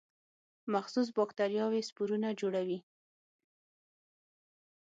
مخصوص باکتریاوې سپورونه جوړوي.